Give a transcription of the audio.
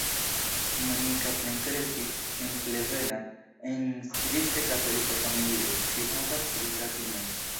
Monica plenkreskis en Cleveland en strikte katolika familio, ŝi havas tri fratinojn.